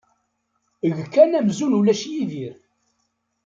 Eg kan amzun ulac Yidir.